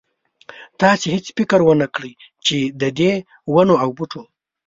تاسې هېڅ فکر ونه کړ چې ددې ونو او بوټو.